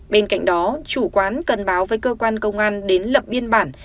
bên cạnh đó chủ quán cần báo với cơ quan công an đến lập biên bản